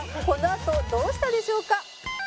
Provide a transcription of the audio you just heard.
「このあとどうしたでしょうか？」